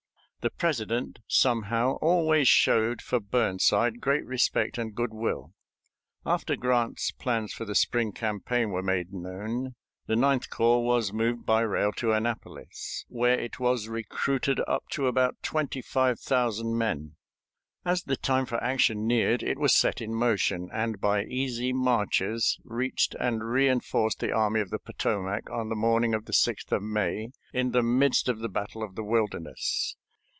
The President somehow always showed for Burnside great respect and good will. After Grant's plans for the spring campaign were made known, the Ninth Corps was moved by rail to Annapolis, where it was recruited up to about twenty five thousand men. As the time for action neared it was set in motion, and by easy marches reached and re enforced the Army of the Potomac on the morning of the 6th of May, in the midst of the battle of the Wilderness.